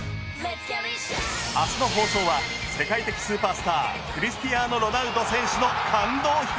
明日の放送は世界的スーパースタークリスティアーノ・ロナウド選手の感動秘話！